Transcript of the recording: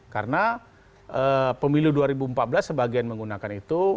karena pemilu dua ribu empat belas sebagian menggunakan itu